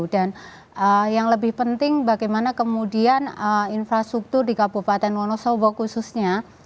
dan yang lebih penting bagaimana kemudian infrastruktur di kabupaten wonosobo khususnya